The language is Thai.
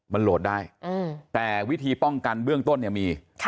มันโหลดได้แต่วิธีป้องกันเบื้องต้นเนี่ยมี